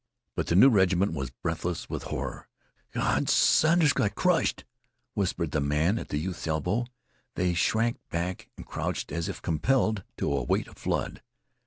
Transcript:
But the new regiment was breathless with horror. "Gawd! Saunders's got crushed!" whispered the man at the youth's elbow. They shrank back and crouched as if compelled to await a flood.